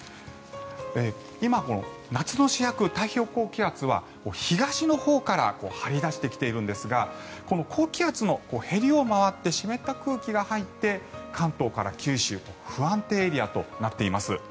今、夏の主役の太平洋高気圧は東のほうから張り出してきてるんですがこの高気圧のへりを回って湿った空気が入って関東から九州不安定エリアとなっています。